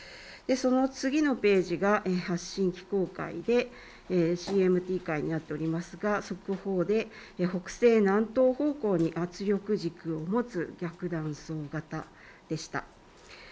次のページが発震機構解でＣＭＴになっておりますが速報で、南東方向に圧力軸を持つ逆断層型でした。